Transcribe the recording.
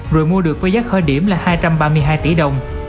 rồi mua được với giá khởi điểm là hai trăm ba mươi hai tỷ đồng